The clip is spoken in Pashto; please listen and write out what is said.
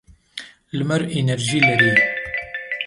لمر انرژي لري.